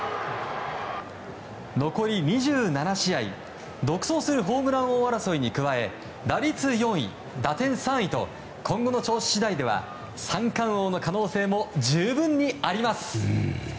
残り２７試合独走するホームラン王争いに加え打率４位、打点３位と今後の調子次第では三冠王の可能性も十分にあります。